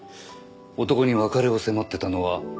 男に別れを迫ってたのは娘を思う